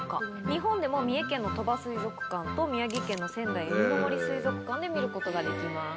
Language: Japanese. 日本でも三重県の鳥羽水族館と宮城県の仙台うみの杜水族館で見ることができます。